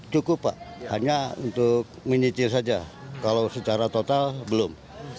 cukup pak hanya untuk menyicir saja kalau secara total belum